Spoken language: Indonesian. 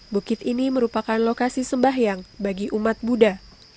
bukit ini merupakan lokasi sembahyang bagi umat buddha